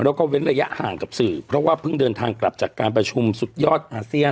แล้วก็เว้นระยะห่างกับสื่อเพราะว่าเพิ่งเดินทางกลับจากการประชุมสุดยอดอาเซียน